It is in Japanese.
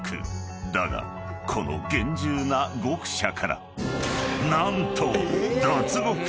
［だがこの厳重な獄舎から何と］